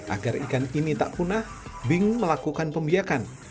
agar ikan ini tak punah bing melakukan pembiakan